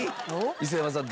磯山さん。